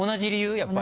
やっぱり。